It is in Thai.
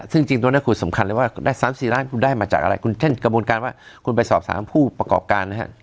ซึ่งจริงตรงนั้นคุณสำคัญเลยว่าได้๓๔ล้านคุณได้มาจากอะไรคุณเช่นกระบวนการว่าคุณไปสอบถามผู้ประกอบการนะฮะ